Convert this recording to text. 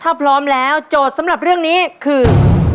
ถ้าพร้อมแล้วโจทย์สำหรับเรื่องนี้คือ